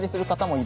いる！